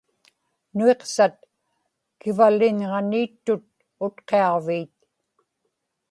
Nuiqsut kivaliñġaniittut Utqiaġviit